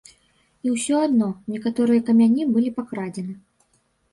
І ўсё адно, некаторыя камяні былі пакрадзены.